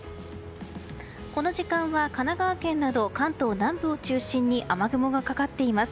この時間は神奈川県など関東南部を中心に雨雲がかかっています。